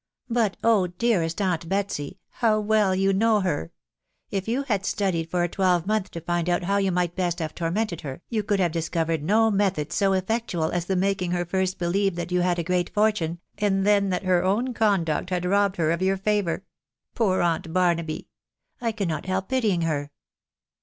... But, oh ! dearest aunt Betsy, how well you know her !.... If you had studied for a twelvemonth to find out how you might best have tormented her, you could have discovered no method so effectual as the making her first believe that you had a great fortune, and then that her own conduct had robbed her of your favour. " Poor aunt Barnaby I .... I cannot help pitying her